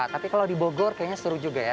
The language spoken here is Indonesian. tapi kalau di bogor kayaknya seru juga ya